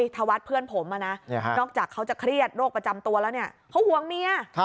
ธวัฒน์เพื่อนผมนอกจากเขาจะเครียดโรคประจำตัวแล้วเนี่ยเขาห่วงเมีย